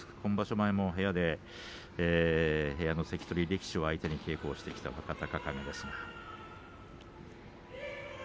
前も部屋で部屋の関取力士を相手に稽古して来た若隆景ですが。